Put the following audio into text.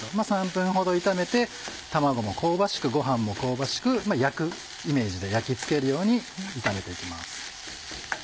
３分ほど炒めて卵も香ばしくご飯も香ばしく焼くイメージで焼き付けるように炒めて行きます。